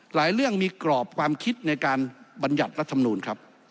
เรื่องมีกรอบความคิดในการบรรยัติรัฐมนูลครับ